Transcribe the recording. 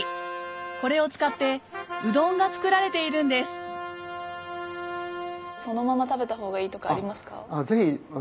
これを使ってうどんが作られているんですそのまま食べたほうがいいとかありますか？